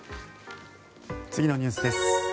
次のニュースです。